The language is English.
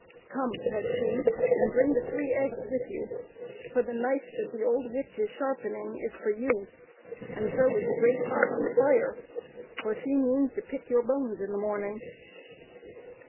" Come," said she, " and bring the three eggs with you, for the knife that the old witch is sharpening is for you, and so is the great pot on the fire, for she means to pick your bones in the morning."